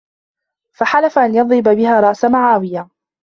فَحَلَفَ أَنْ يَضْرِبَ بِهَا رَأْسَ مُعَاوِيَةَ